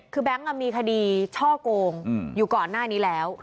คือแบงค์มีคดีช่อโกงอยู่ก่อนหน้านี้แล้ว